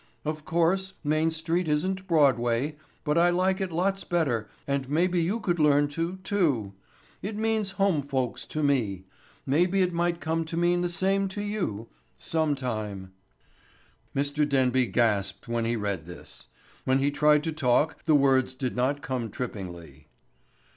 Of course, Main Street isn't Broadway, but I like it lots better and maybe you could learn to, too. It means home folks to me. Maybe it might come to mean the same thing to you—some time." Mr. Denby gasped when he read this. When he tried to talk the words did not come trippingly....